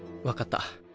わかった。